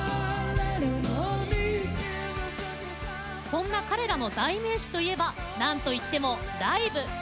そんな彼らの代名詞といえばなんといってもライブ。